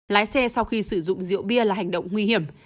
lái xe sau khi sử dụng rượu bia là hành động nguy hiểm